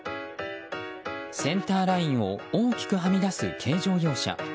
センターラインを大きくはみ出す軽乗用車。